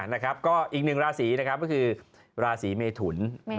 นะครับก็อีกหนึ่งราศีนะครับก็คือราศีเมทุน